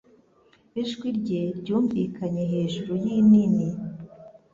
Ijwi rye ryumvikanye hejuru yinini